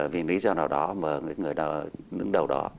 vì lý do nào đó mà người đứng đầu đó